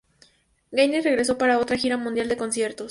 Gaines regresó para otra gira mundial de conciertos.